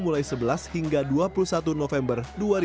mulai sebelas hingga dua puluh satu november dua ribu dua puluh